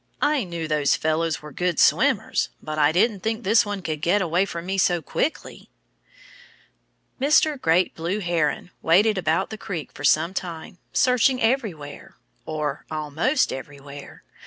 "I knew those fellows were good swimmers. But I didn't think this one could get away from me so quickly." Mr. Great Blue Heron waded about the creek for some time, searching everywhere or almost everywhere.